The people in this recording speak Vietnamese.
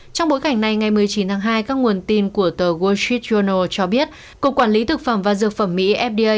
trong bối cảnh này ngày một mươi chín tháng hai các nguồn tin của tờ wall street journal cho biết cục quản lý thực phẩm và dược phẩm mỹ fda